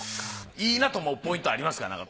いいなと思うポイントありますか？